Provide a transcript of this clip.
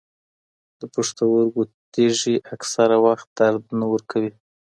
د پښتورګو تېږې اکثره وخت درد نه ورکوي.